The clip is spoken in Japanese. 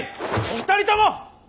お二人とも！